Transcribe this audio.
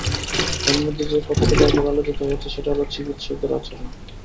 এর মধ্যে যে কথাটি বারবার আলোচিত হয়েছে, সেটা হলো চিকিৎসকদের আচরণ।